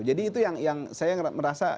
jadi itu yang saya merasa